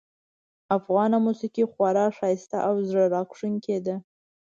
افغانه موسیقي خورا ښایسته او زړه راښکونکې ده